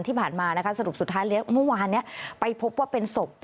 ที่ผ่านมาสรุปสุดท้ายเหลือเมื่อคือไปพบว่าเป็นสม